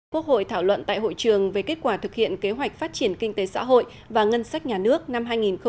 quốc hội thảo luận tại hội trường về kết quả thực hiện kế hoạch phát triển kinh tế xã hội và ngân sách nhà nước năm hai nghìn một mươi chín